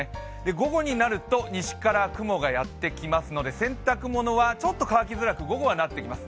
午後になると、西から雲がやってきますので午後は洗濯物がちょっと乾きづらくなってきます。